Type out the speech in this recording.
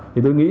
thì tôi nghĩ đó